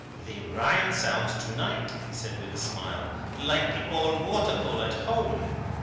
"The Rhine sounds to night," he said with a smile, "like the old waterfall at home.